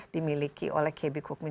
diberiki oleh kb kukmin